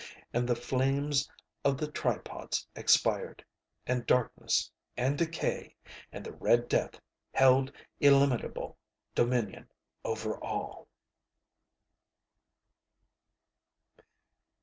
And the flames of the tripods expired. And Darkness and Decay and the Red Death held illimitable dominion over all.